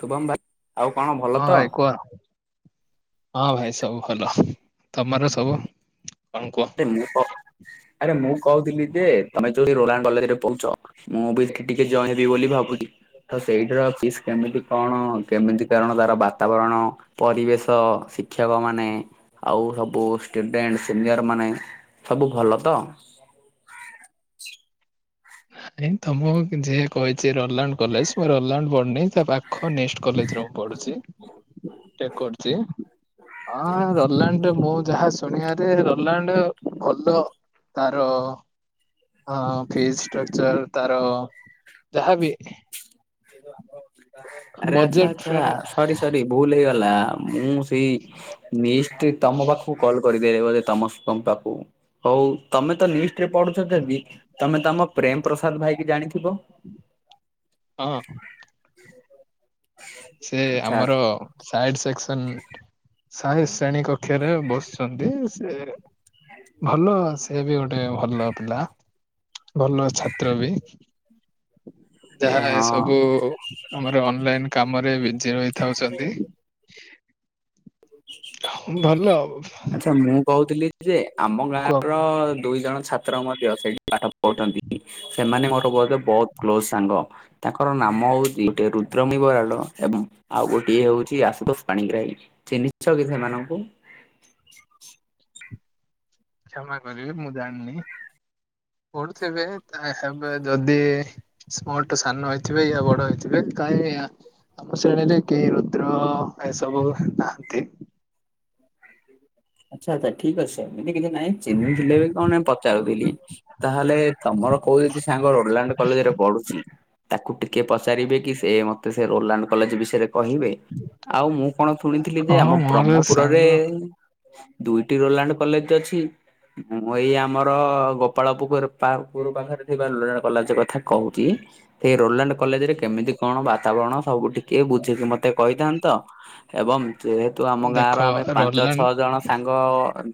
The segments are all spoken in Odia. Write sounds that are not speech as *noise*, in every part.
ଶୁଭମ ଭା ଆଉ କଣ ଭଲ ହଁ ତ। ଭାଇ କୁହ ହଁ ଭାଇ ସବୁ ଭଲ ତମର ସବୁ କଣ କୁହ। ଆରେ ମୁଁ କ ଆରେ ମୁଁ କହୁଥିଲି ଯେ ତମେ ଯୋଉଠି ରୋରାଙ୍ଗ୍ କଲେଜେରେ ପଉଛ ମୁଁ ବି ଏଠି ଟିକେ ଜଣେଇ ଦେବି ବୋଲି ଭାବୁଚି। ତ ସେଇଠିର ଅଫିସ୍ କେମିତି କଣ କେମିତି କାରଣ ତାର ବାତାବରଣ ପରିବେଶ ଶିକ୍ଷକମାନେ ଆଉ ସବୁ ଷ୍ଟୁଡେଣ୍ଟ୍ ସିନିୟର ମାନେ ସବୁ ଭଲ ତ। ନାଇଁ ତମୁକୁ ଯିଏ କହିଛି ରୋଲାଣ୍ଡ କଲେଜ୍ ମୁଁ ରୋଲାଣ୍ଡ ପଢୁନି ତା ପା ଖ ନେଷ୍ଟ୍ କଲେଜରେ ମୁଁ ପଢୁଛି। ବି ଟେକ୍ କରୁଚି ଅଁ ରୋଲାଣ୍ଡ ମୁଁ ଯାହା ଶୁ ଶୁଣିଆରେ ରୋଲାଣ୍ଡ ଭଲ ତାର ହଁ ଫିସ୍ ଷ୍ଟ୍ରକ୍ଚର୍ ତାର ଯାହା ବି ଆରେ ଆଛା ବଜେଟ ଆଛା ଫ୍ରେଣ୍ଡ ସରି ସରି ଭୁଲ୍ ହେଇଗଲା ମୁଁ ସେଇ ନିଷ୍ଟି ତମ ପାଖୁକୁ କଲ୍ କରି ଦେଲି ବୋଧେ ତମ ସ୍ ତମ୍ ପାଖୁକୁ ହଉ ତମେ ତ ନିଷ୍ ଟିରେ ପଢୁଛ ଯଦି ତମେ ତ ଆମ ପ୍ରେମ୍ ପ୍ରସାଦ ଭାଇକି ଜାଣିଥିବ? ହଁ। ସେ ଆଚ୍ଛା ଆମର ସାଇଡ୍ ସେକ୍ସନ୍ ସାହେ ଶ୍ରେଣୀ କ କ୍ଷରେ ବସିଛନ୍ତି ସେ ଭଲ ସେ ବି ଗୋଟେ ଭଲ ପିଲା ଭଲ ଛାତ୍ର ବି। ଆରେ ଯାହା ହଁ ଏସବୁ ଆମର ଅନଲାଇନ୍ କାମରେ ବିଜି ରହିଥାଉଚନ୍ତି। ଭଲ ଆଛା ମୁଁ କହୁଥିଲି ଯେ ଆମ କୁହ ଗାଁର କୁହ ଦୁଇ ଜଣ ଛାତ୍ର ମଧ୍ୟ ସେଇଠି ପାଠ ପଢୁଛନ୍ତି ସେମାନେ ମୋର ବୋଧେ ବୋହୁତ କ୍ଲୋଜ୍ ସାଙ୍ଗ। ତାଙ୍କର ନାମ ହଉଚି ଗୋଟେ ରୁଦ୍ରମୀ ବରାଳ ଏବଂ ଆଉ ଗୋଟିଏ ହଉଛି ଆଶୁତୋଷ ପାଣିଗ୍ରାହୀ। ଛ କି ସେମାନଙ୍କୁ? କ୍ଷମା କରିବେ ମୁଁ ଜାଣିନି ପଢୁଥିବେ ତାହେବେ ଯଦି ସିଏ ମୋ ଠୁ ସାନ ହେଇଥିବେ ୟା ବଡ ହେଇଥିବେ କାଇଁ ଆ ଆମ ଶ୍ରେଣୀରେ କେହି ରୁଦ୍ର ଏସବୁ ନାହାନ୍ତି। *inaudible* ଆଚ୍ଛା ଆଚ୍ଛା ଠିକ୍ ଅଛି ସେମିତି କିଛି ନାଇଁ ଚିହ୍ନିଥିଲେ ବି କଣ ପଚାରୁଥିଲି। ତାହେଲେ ତମର କୋଉ ଯଦି ସାଙ୍ଗ ରୋଡଲାଣ୍ଡ କଲେଜେରେ ପଢୁଛି ତାକୁ ଟିକେ ପଚାରିବେ କି ସେ ମତେ ସେ ରୋଡଲାଣ୍ଡ କଲେଜେ ବିଷେୟେରେ କହିବେ ଆଉ ମୁଁ କଣ ଶୁଣିଥିଲି ଯେ ହଁ ଆମ ମୋର ବ୍ରହ୍ମପୁରରେ ସାଙ୍ଗ ଦୁଇଟି ରୋଲାଣ୍ଡ କଲେଜ ଅଛି। ମୁଁ ଏଇ ଆମର ଗୋପାଳପୁଖୁର ପା ପୁରୁ ପାଖେରେ ଥିବା ଲୋ *unintelligible* କଲେଜେ କଥା କହୁଚି। ସେ ରୋଲାଣ୍ଡ କଲେଜେରେ କେମିତି କଣ ବାତାବରଣ ସବୁ ଟିକେ ବୁଝିକି ମତେ କହିଥାନ୍ତ। ଏବଂ ଯେହେତୁ ଆମ ଗାଁ ଦେଖ ର ଆମେ ପାଞ୍ଚଛ ରୋଲାଣ୍ଡ ଜଣ ସାଙ୍ଗ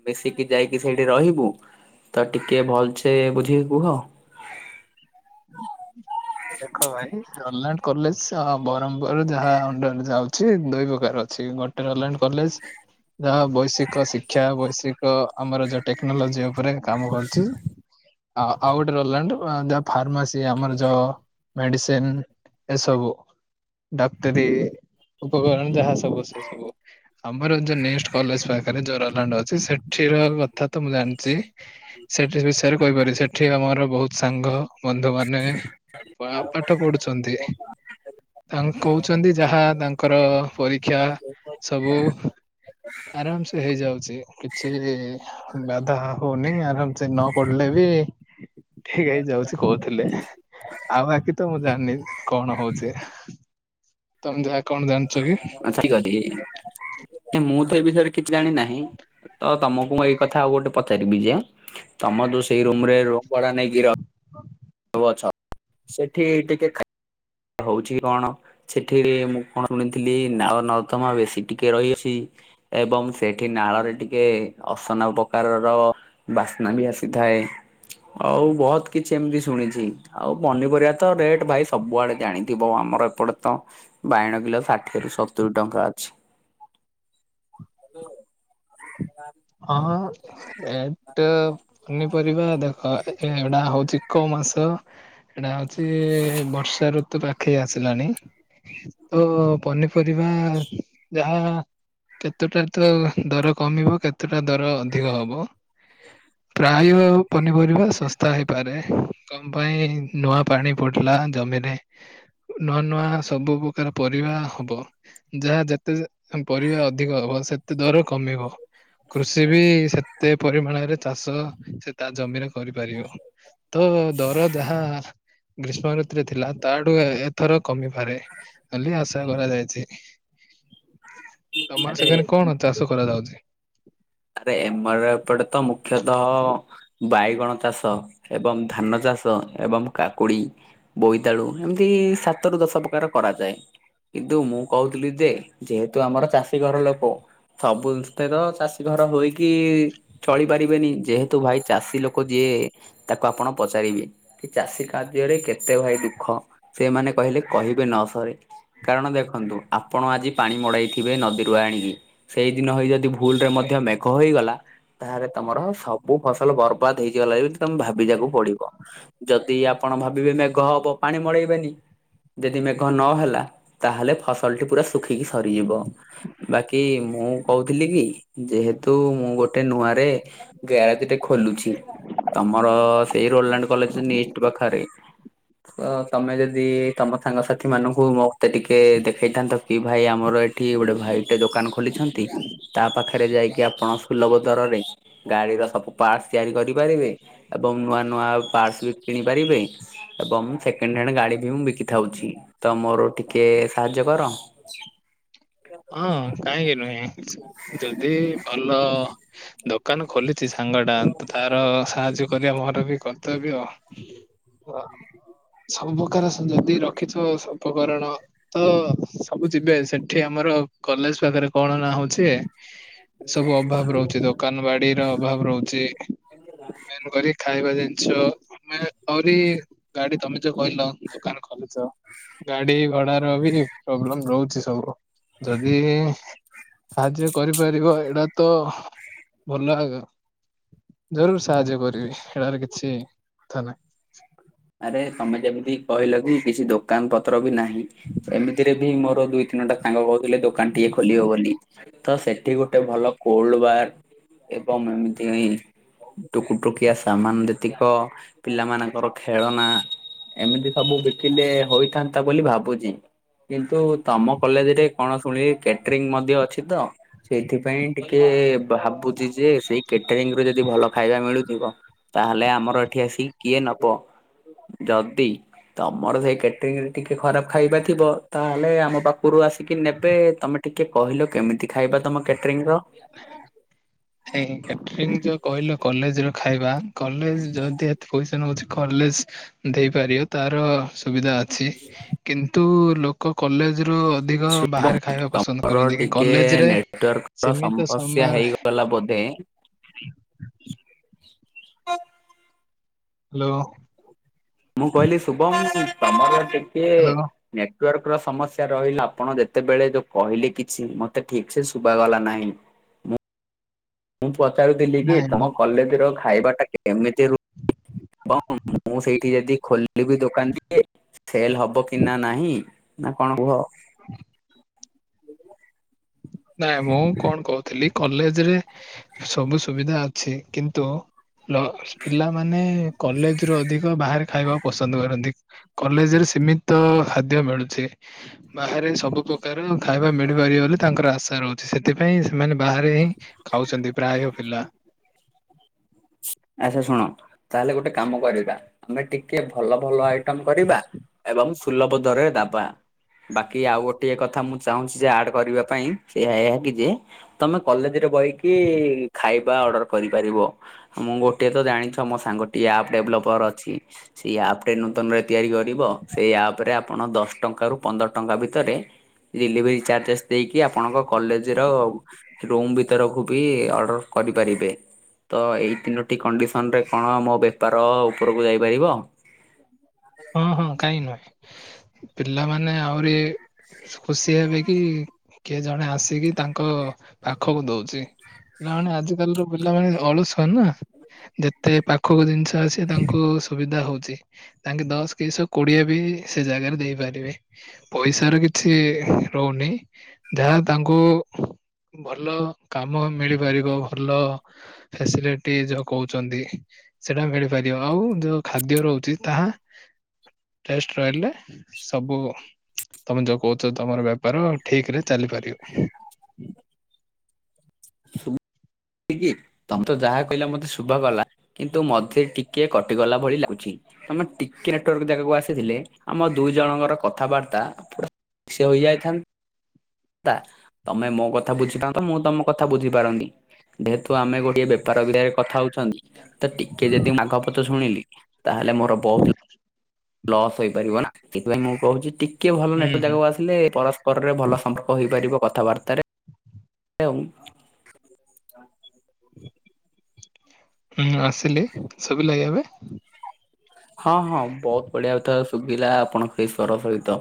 ମିଶିକି ଯାଇକି ସେଇଠି ରହିବୁ? ତ ଟିକେ ଭଲସେ ବୁଝିକି କୁହ? ଦେଖ ଭାଇ। ରୋଡଲାଣ୍ଡ କଲେଜ ବ୍ରହ୍ମପୁର ଯାହା ଅଣ୍ଡରରେ ଯାଉଛି ଦୁଇ ପ୍ରକାର ଅଛି ଗୋ ରୋଲାଣ୍ଡ କଲେଜ ଯାହା ବୈଷୟିକ ଶିକ୍ଷା ବୈଷୟିକ ଆମର ଯୋଉ ଟେକ୍ନୋଲୋଜି ଉପରେ କାମ କରୁଛି ଆଉ ଆଉ ଗୋଟେ ରୋଲାଣ୍ଡ ଯୋଉ ଫାର୍ମାସି ଆମର ଯ ମେଡିସିନ ଏସବୁ। ଡାକ୍ତରୀ ଉପକରଣ ଯାହା ସବୁ ସେ ସବୁ। ଆମର ଯୋଉ କଲେଜ ପାଖରେ ଯୋଉ ରୋଲାଣ୍ଡ ଅଛି ସେଠି ର କଥା ତ ମୁଁ ଜାଣିଚି। ସେଠି ବିଷୟରେ କହିପାରେ ସେଠି ଆମର ବହୁତ ସାଙ୍ଗ ବନ୍ଧୁ ବା *inaudible* ତାଙ୍କୁ କହୁଛନ୍ତି ଯାହା ତାଙ୍କର ପରୀକ୍ଷା ସବୁ। ଆରାମ ସେ ହେଇଯାଉଛି କିଛି ବାଧା ହଉନି ଆରାମ ସେ ନ ପଢ଼ିଲେ ବି ଠିକ ହେଇଯାଉଛି କହୁଥିଲେ। ଆଉ ବାକି ତ ମୁଁ ଜାଣିନି କଣ ହଉଛି ତମେ ଯାହା କଣ ଜାଣିଛ କି? ଆଛା ଠିକ ଅଛି କାଇଁ ମୁଁ ତ ଏ ବିଷୟରେ କିଛି ଜାଣି ନାହିଁ? ତ ତମକୁ ମୁଁ ଏଇ କଥା ଆଉ ଗୋଟେ ପଚାରିବି ଯେ ତମ ଯୋଉ ସେଇ ରୁମରେ ରୁମ ଭଡା ନେଇକି ରହ ଅଛ ସେଠି ଟିକେ ଖାଇ ହଉଛି କି କଣ? ସେଠି ମୁଁ କଣ ଶୁଣିଥିଲି ନାଳ ନର୍ଦମା ବେଶୀ ଟିକେ ରହିଅଛି। ଏବଂ ସେଠି ନାଳରେ ଟିକେ ଅସନା ପ୍ରକାରର ବାସ୍ନା ବି ଆସିଥାଏ। ଆଉ ବହୁତ କିଛି ଏମିତି ଶୁଣିଛି ଆଉ ପନିପରିବା ତ ରେଟ ଭାଇ ସବୁଆଡେ ଜାଣିଥିବ ଆମର ଏପଟେ ତ ବାଇଣ କିଲୋ ଷାଠିଏରୁ ସତୁରୀ ଟଙ୍କା ଅଛି। *inaudible* ହଁ। ରେଟ ପନିପରିବା ଦେଖ ଏଇଟା ହଉଛି କୋଉ ମାସ? ଏଟା ହଉଛି ବର୍ଷା ଋତୁ ପାଖେଇ ଆସିଲାଣି। ତ ପନିପରିବା ଯାହା କେତେଟା ତ ଦର କମିବ କେତେଟା ଦର ଅଧିକ ହବ। *inaudible* ପ୍ରାୟ ପନିପରିବା ଶସ୍ତା ହୋଇପାରେ କମ ପାଇଁ ନୂଆ ପାଣି ପଡିଲା ଜମିରେ ନୂଆ ନୂଆ ସବୁ ପ୍ରକାର ପରିବା ହବ। ଯାହା ଯେତେ ପରିବା ଅଧିକ ହବ ସେତେ ଦର କମିବ। କୃଷି ବି ସେତେ ପରିମାଣରେ ଚାଷ ସେ ତା ଜମିରେ କରିପାରିବ। ତ ଦର ଯାହା ଗ୍ରୀଷ୍ମ ଋତୁରେ ଥିଲା ତାଠୁ ଏଥର କମିପାରେ। ବୋଲି ଆଶା କରାଯାଇଛି। ତମର ଆରେ ସେକାନି କଣ ଚାଷ କରାଯାଉଛି? ଆରେ ଏମାର୍ ଏ ଏପଟେ ତ ମୁଖ୍ୟତଃ ବାଇଗଣ ଚାଷ ଏବଂ ଧାନ ଚାଷ ଏବଂ କାକୁଡ଼ି ବୋଇତାଳୁ ଏମିତି ସାତରୁୁ ଦଶ ପ୍ରକାର କରାଯାଏ। କିନ୍ତୁ ମୁଁ କହୁଥିଲି ଯେ ଯେହେତୁ ଆମର ଚାଷୀ ଘର ଲୋକ ସବୁ ଜିନିଷ ତ ଚାଷୀ ଘର ହୋଇକି ଚଳିପାରିବେନି ଭାଇ ଯେହେତୁ ଚାଷୀ ଲୋକ ଯିଏ ତାକୁ ଆପଣ ପଚାରିବେ କି ଚାଷୀ କାର୍ଯ୍ୟରେ କେତେ ଭାଇ ଦୁଃଖ? ସେମାନେ କହିଲେ କହିବେ ନ ସରେ କାରଣ ଦେଖନ୍ତୁ ଆପଣ ଆଜି ପାଣି ମଡେଇଥିବେ ନଦୀରୁ ଆଣିକି। ସେଇଦିନ ହେଇ ଯଦି ଭୁଲରେ ମଧ୍ୟ ମେଘ ହେଇଗଲା। ତାହେରେ ତମର ସବୁ ଫସଲ ବର୍ବାଦ ହେଇଯିଗଲା ବି ତମେ ଭାବି ଯାକୁ ପଡ଼ିବ। ଯଦି ଆପଣ ଭାବିବେ ମେଘ ହବ ପାଣି ମଡ଼େଇବେନି। ଯେଦି ମେଘ ନହେଲା ତାହେଲେ ଫସଲଟି ପୁରା ଶୁଖିକି ସରିଯିବ। ବାକି ମୁଁ କହୁଥିଲି କି ଯେହେତୁ ମୁଁ ଗୋଟେ ନୂଆରେ ଗ୍ୟାରେଜେଟେ ଖୋଲୁଛି। ତମର ସେଇ ରୋଲାଣ୍ଡ୍ କଲେଜ୍ ନିଷ୍ଟ୍ ପାଖରେ। ତ ତମେ ଯଦି ତମ ସାଙ୍ଗସାଥିମାନୁଙ୍କୁ ମତେ ଟିକେ ଦେଖେଇଥାନ୍ତ ଏ ଭାଇ ଆମର ଏଠି ଗୋଟେ ଭାଇଟେ ଦୋକାନ ଖୋଲିଛନ୍ତି ତା ପାଖେ ହେରେ ଯାଇକି ଆପଣ ସୁଲଭ ଦରରେ ଗାଡ଼ିର ସବୁ ପାର୍ଟସ୍ ତିଆରି କରିପାରିବେ ଏବଂ ନୂଆ ନୂଆ ଆଉ ପାର୍ଟସ୍ ବି କିଣି ପାରିବେ। ଏବଂ ସେକେଣ୍ଡ୍ ହ୍ୟାଣ୍ଡ୍ ଗାଡ଼ି ବି ମୁଁ ବିକି ଥାଉଛି ତ ମୋର ଟିକେ ସାହାଯ୍ୟ କର। ହଁ କାହିଁକି ନୁହେଁ ଯଦି ଭଲ ଦୋକାନ ଖୋଲିଚି ସାଙ୍ଗଟା ତ ତାର ସାହାଯ୍ୟ କରିବା ମୋର ବି କର୍ତ୍ତବ୍ୟ ଉଆ ସବୁ ପକାର ସ ଯଦି ର ଖିଛ ସ ଉପକରଣ ତ ସବୁ ଯିବେ ସେଠି ଆ ମର କଲେଜ୍ ପାଖରେ କଣ ନାଁ ହଉଛି ସବୁ ଅଭାବ ରହୁଚି ଦ କାନ ବାଡ଼ିର ଅଭାବ ରହୁଚି। ମେନ୍ କରି ଖାଇବା ଜିନିଷ। ଆମେ ଆହୁରି ଗାଡ଼ି ତମେ ଯୋଉ କହିଲ ଦୋକାନ ଖୋଲୁଛ ଗାଡି ଗଡ଼ାର ବି ପ୍ରୋବ୍ଲେମ୍ ରହୁଚି ସବୁ। ଯଦି ସାହାଯ୍ୟ କରିପାରିବ ଏଟା ତ ଭଲ ଆଗା ଜରୁର ସାହାଯ୍ୟ କରିବି ହେଳାରେ କି ଛି ଥା ନାଇଁ। ଆରେ ତମେ ଯେମିତି କହିଲ କି କିଛି ଦୋକାନ ପତ୍ର ବି ନାହିଁ। ଏମିତିରେ ବି ମୋର ଦୁଇ ତିନିଟା ସାଙ୍ଗ କହୁଥିଲେ ଦୋକାନ ଟିଏ ଖୋଲିବ ବୋଲି। ତ ସେଠି ଗୋଟେ ଭଲ କୋଲ୍ଡ ବାର୍ ଏବଂ ଏମିତି ଟୁକୁ ଟୁକିଆ ସମାନ୍ ଯେତିକ ପିଲାମାନଙ୍କର ଖେଳନା ଏମିତି ସବୁ ବିକିଲେ ହୋଇଥାନ୍ତା ବୋଲି ଭାବୁଚି। କିନ୍ତୁ ତମ କଲେଜ୍ ରେ କଣ ଶୁଣିଲି କେଟରିଂ ମଧ୍ୟ ଅଛି ତ। ସେଇଥିପାଇଁ ଟିକେ ଭାବୁଚି ଯେ ସେଇ କେଟରିଂରୁ ଯଦି ଭଲ ଖାଇବା ମିଳୁଥିବ ତାହେଲେ ଆମର ଏଠି ଆସିକି କିଏ ନବ। ଯଦି ତମର ସେଇ କେଟରିଂରେ ଟିକେ ଖରାପ ଖାଇବା ଥିବ ତାହେଲେ ଆମ ପାଖୁରୁ ଆସିକି ନେବେ ତମେ ଟିକେ କହିଲ କେମିତି ଖାଇବା ତମ କ୍ୟାଟରିଂ ର? ସେଇ କ୍ୟାଟରିଂ ଯୋଉ କହିଲ କଲେଜ୍ ର ଖାଇବା କଲେଜ୍ ଯଦି ଏତେ ପଇସା ନଉଛି କଲେଜ୍ ଦେଇପାରିବ ତାର ସୁବିଧା ଅଛି। କିନ୍ତୁ ଲୋକ କଲେଜ୍ ରୁ ଅ ଧିକ ଶୁଭମ ବାହାରେ ଖାଇବା ପସନ୍ଦ ତମର କରନ୍ତି କି ଟିକେ କଲେଜ୍ ରେ ନେଟୱାର୍କର ସୀମିତ ସମୟ ସମସ୍ୟା ରହେ। ହେଇଗଲା ବୋଧେ। ହୁଁ *unintelligible* ହାଲୋ। ମୁଁ କହିଲି ଶୁଭମ୍ ତମର ଟିକେ ହ୍ୟାଲୋ ନେଟୱାର୍କର ସମସ୍ୟା ରହିଲା ଆପଣ ଯେତେବେଳେ ଯୋଉ କହିଲେ କିଛି ମତେ ଠିକ୍ ସେ ଶୁଭାଗଲା ନାହିଁ। ମୁଁ ପଚାରୁଥିଲି କି ତମ ନାଇଁ କଲେଜ୍ ର ଖାଇବାଟା କେ ଏମିତି ରୁ କଁ ମୁଁ ସେଇଠି ଯଦି ଖୋଲ୍ ଲିବି ଦୋକାନ ଟିକେ ସେଲ୍ ହବ କି ନାଁ ନାହିଁ ନାଁ କଣ କୁହ? ନାଇଁ ମୁଁ କଣ କହୁଥିଲି କଲେଜ୍ ରେ ସବୁ ସୁବିଧା ଅଛି କିନ୍ତୁ ଲ ପିଲାମାନେ କଲେଜ୍ ରୁ ଅଧିକ ବାହାରେ ଖାଇବାକୁ ପସନ୍ଦ କରନ୍ତି। କଲେଜ୍ ରେ ସୀମିତ ଖାଦ୍ୟ ମିଳୁଛି। ବାହାରେ ସବୁ ପ୍ରକାର ଖାଇବା ମିଳିପାରି ବୋଲି ର ଆଶା ରହୁଚି। ସେଥିପାଇଁ ସେମାନେ ବାହାରେ ହିଁ ଖାଉଛନ୍ତି ପ୍ରାୟ ପିଲା। ଆଛା ଶୁଣ ତାହେଲେ ଗୋଟେ କାମ କରିବା ଆମେ ଟିକେ ଭଲ ଭଲ ଆଇଟମ କରିବା। ଏବଂ ସୁଲଭ ଦରରେ ଦବା। ବାକି ଆଉ ଗୋଟିଏ କଥା ମୁଁ ଚାହୁଁଛି ଯେ ଆଡ କରିବା ପାଇଁ ସେଇ ଏହା କି ଯେ ତମେ କଲେଜରେ ବହିକି ଖାଇବା ଅର୍ଡର କରିପାରିବ। ମୁଁ ଗୋଟିଏ ତ ଜାଣିଛ ମୋ ସାଙ୍ଗଟି ଆପ୍ ଡେଭଲପର ଅଛି। ସେଇ ଆପ ରେ ନୂତନରେ ତିଆରି କରିବ ସେଇ ଆପ ରେ ଆପଣ ଦଶ ଟଙ୍କା ରୁ ପନ୍ଦର ଟଙ୍କା ଭିତରେ ଡେଲିଭରି ଚାର୍ଜେସ୍ ଦେଇକି ଆପଣଙ୍କ କଲେଜ ର ରୁମ ଭିତରକୁ ବି ଅର୍ଡର କରିପାରିବେ। ତ ଏଇ ତିନୋଟି କଣ୍ଡିସନ୍ରରେ କଣ ମୋ ବେପାର ଉପରକୁ ଯାଇପାରିବ। ହଁ ହଁ କାହିଁ ନୁହେଁ ପିଲାମାନେ ଆହୁରି ଖୁସି ହେବେ କି କିଏ ଜଣେ ଆସିକି ତାଙ୍କ ପାଖକୁ ଦଉଛି। ପିଲାମାନେ ଆଜିିକାଲିର ପିଲାମାନୋନେ ଅଳସୁଆ ନା ଯେତେ ପାଖକୁ ଜିନିଷ ତାଙ୍କୁ ସୁବିଧା ହଉଛି। ତାଙ୍କେ ଦଶ କେଇଶହ କୋଡିଏ ବି ସେ ଜାଗାରେ ଦେଇପାରିବେ। ପଇସା ର କିଛି ରହୁନି ଯାହା ତାଙ୍କୁ ଭଲ କାମ ମିଳିପାରିବ। ଭଲ ଫେସିଲିଟି ଯୋଉ କହୁଛନ୍ତି ସେଇଟା ମିଳିପାରିବ। ଆଉ ଯୋଉ ଖାଦ୍ୟ ରହୁଛି ତାହା ଟେଷ୍ଟେ ରହିଲେ ସବୁ ତମେ ଯୋଉ କହୁଛ ତମର ବେପାର ଠିକ ରେ ଚାଲିପାରିବ। *unintelligible* ତମେ ତ ଯାହା କହିଲା ମତେ ଶୁଭା ଗଲା କିନ୍ତୁ ମଝିରେ ଟିକେ କଟିଗଲା ଭଳି ଲାଗୁଛି। ତୁମେ ଟିକେ ନେଟୱାର୍କର ଜାଗାକୁ ଆସିଥିଲେ ଆମ ଦୁଇ ଜଣଙ୍କର କଥାବାର୍ତ୍ତା ପୁର ସିଏ ହୋଇଯାଇ ଥାନ୍ ତା ତମେ ମୋ କଥା ବୁଝିଥାନ୍ତ ମୁଁ ତମ କଥା ବୁଝିପାରନି। ଯେହେତୁ ଆମେ ଗୋଟିଏ ବେପାର ବିରେ କଥା ହଉଛନ୍ତି। ତ ଟିକେ ଯଦି ମାଘ ପଛ ଶୁଣିଲି ତାହେଲେ ମୋର ବହୁତ ଲସ୍ ହେଇପାରିବ ନା ସେଥିପାଇଁ ମୁଁ କହୁଛି ଟିକେ ଭଲ ହୁଁ ନେଟ ହୁଁ ଜାଗାକୁ ଆସିଲେ ପର ସ୍ପରରେ ଭଲ ସମ୍ପର୍କ ହେଇପାରିବ କଥାବାର୍ତ୍ତାରେ। *unintelligible* ହୁଁ ଆସିଲି ଶୁଭିଲା କି ଏବେ। ହଁ ହଁ ବହୁତ ବଢିଆ କଥା ଶୁଭିଲା ଆପଣଙ୍କ ସେଇ ସ୍ଵର ସହିତ।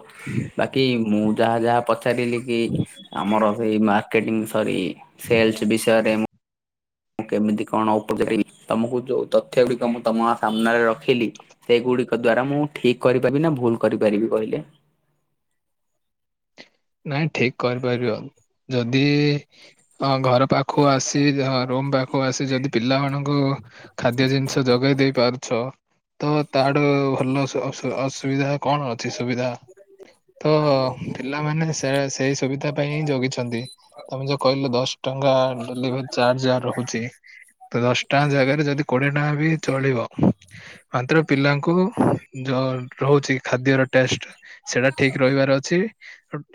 ବାକି ମୁଁ ଯାହା ଯାହା ପଚାରିଲି କି ଆମର ସେଇ ମାର୍କେଟିଂ ସରି ସେଲସ ବିଷୟରେ ମୁ ମୁଁ କେମିତି କଣ ଉପଚାରି ତମକୁ ଯୋଉ ତଥ୍ୟ ଗୁଡିକ ମୁଁ ତମ ସାମ୍ନାରେ ରଖିଲି ସେଇଗୁଡିକ ଦ୍ଵାରା ମୁଁ ଠିକ କରିପାରିବି ନା ଭୁଲ କରିପାରିବି କହିଲେ? ନାଇଁ ଠିକ କରିପାରିବ ଯଦି ଘର ପାଖ ପାଖକୁ ଆସି ରୁମ ପାଖକୁ ଆସି ଯଦି ପିଲାମାନଙ୍କୁ ଖାଦ୍ୟ ଜିନିଷ ଯୋଗେଇ ଦେଇ ପାରୁଛ ତ ତାର ଭଲ ଅସୁବିଧା କଣ ଅଛି ସୁବିଧା ତ ପିଲାମାନେ ସେ ସେଇ ସୁବିଧା ପାଇଁ ହିଁ ଜଗିଛନ୍ତି। ତମେ ଯୋଉ କହିଲ ଦଶ ଟଙ୍କା ଡେଲିଭରି ଚାର୍ଜ ଯା ରହୁଛି। ତ ଦଶ ଟଙ୍କା ଜାଗାରେ ଯଦି କୋଡିଏ ଟଙ୍କା ବି ଚଳିବ। ମାତ୍ର ପିଲାଙ୍କୁ ଯଉ ରହୁଛି ଖାଦ୍ୟର ଟେଷ୍ଟ ସେଇଟା ଠିକ ରହିବାର ଅଛି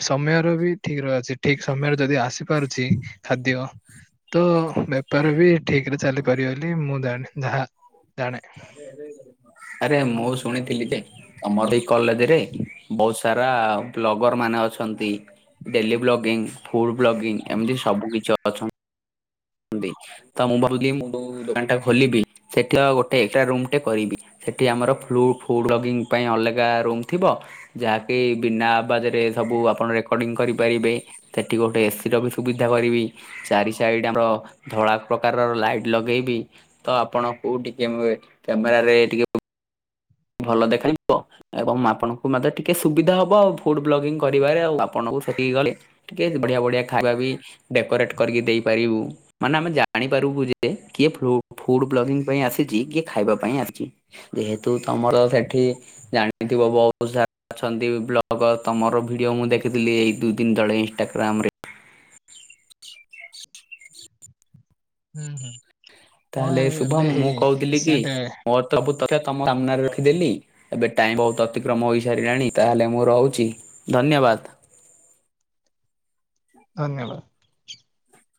ସମୟର ବି ଠିକ ରହିବ ଅଛି ଠିକ ସମୟରେ ଯଦି ଆସ ଆସି ପାରୁଛି ଖାଦ୍ୟ ତ ବେପାର ବି ଠିକରେ ଚାଲି କରି ବୋଲି ମୁଁ ଜାଣେ ଯାହା ଜାଣେ ଆରେ ମୁଁ ଶୁଣିଥିଲି ଯେ ତମର ଏଇ କଲେଜ ରେ ବହୁତ ସାରା ବ୍ଲଗର ମାନେ ଅଛନ୍ତି। ଡେଲି ବ୍ଲଗିଙ୍ଗ ଫୁଡ ବ୍ଲଗିଙ୍ଗ ଏମିତି ସବୁ କିଛି ଅଛନ୍ତି। ତ ମୁଁ ଭାବୁଥିଲି ମୁଁ ଯୋଉ ଦୋକାନ ଟା ଖୋଲିବି ସେଠି ଗୋଟେ ଏଟା ରୁମ ଟେ କରିବି। ସେଠି ଆମର ଫ୍ଲୁ ଫୁଡ୍ ବ୍ଲଗିଂ ପାଇଁ ଅଲଗା ରୁମ୍ ଥିବ। ଯାହାକି ବିନା ଆବାଜରେ ସବୁ ଆପଣ ରେକର୍ଡିଂ କରିପାରିବେ। ସେଠି ଗୋଟେ ଏସିର ବି ସୁବିଧା କରିବି ଚାରି ସାଇଡ଼ ଆମର ଧଳା ପ୍ରକାରର ଲାଇଟ ଲଗେଇବି ତ ଆପଣ କଉଠି କେମେ କ୍ୟାମେରାରେ ଟିକେ ଭଲ ଦେଖାଯିବ। ଏବଂ ଆପଣଙ୍କୁ ମଧ୍ୟ ଟିକେ ସୁବିଧା ହବ ଫୁଡ ବ୍ଲଗିଂ କରିବାରେ ଆଉ ଆପଣଙ୍କୁ ସେଠିକି ଗଲେ ଟିକେ ବଢିଆ ବଢିଆ ଖାଇବା ବି ଡେକୋରେଟ କରିକି ଦେଇପାରିବୁ। ମାନେ ଆମେ ଜାଣିପାରିବୁ ଯେ କିଏ ଫ୍ଲୁ ଫୁଡ୍ ବ୍ଲଗିଂ ପାଇଁ ଆସିଛି କିଏ ଖାଇବା ପାଇଁ ଆସିଛି। ଯେହେତୁ ତମର ସେଠି ଜାଣିଥିବ ବହୁତ ସାରା ଅଛନ୍ତି ବ୍ଲଗର ତମର ଭିଡିଓ ମୁଁ ଦେଖିଥିଲି ଏଇ ଦୁଇ ଦିନ ତଳେ। ଟେଗ୍ରାମରେ ହୁଁ ହୁଁ। ତାହେଲେ କଣ ଏବେ ଶୁଭମ ମୁଁ ହେଇ କହୁଥିଲି କି ରିସେଣ୍ଟ ମୋ ସବୁ ତଥ୍ୟ ତମ ସାମ୍ନାରେ ରଖିଦେଲି ଏବେ ଟାଇମ ବହୁତ ଅତିକ୍ରମ ହୋଇ ସାରିଲାଣି ତାହେଲେ ମୁଁ ରହୁଛି। ଧନ୍ୟବାଦ। ଧନ୍ୟବାଦ।